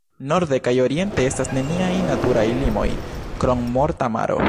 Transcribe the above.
Norde kaj oriente estas neniaj naturaj limoj, krom Morta Maro.